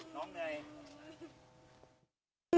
น้องไหน